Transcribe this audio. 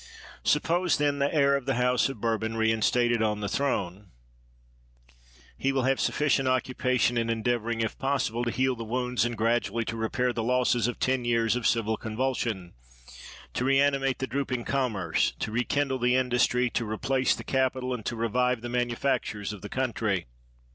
Suppose, then, the heir of the house of Bourbon reinstated on the throne ; he will have sufficient occupation in endeavorii:g, if possible, to heal the wounds and gradually to repair the losses of ten years of civil con%Tilsiori — to reanimate the di'ooping com merce, to rekindle the industry, to replace the capital, and to revive the manufactures of the country.